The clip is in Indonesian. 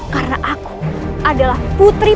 karena aku adalah putri